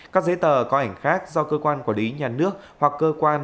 các giấy tờ có ảnh khác do cơ quan quản lý nhà nước hoặc cơ quan